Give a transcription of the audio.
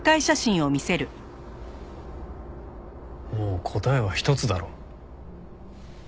もう答えは一つだろ。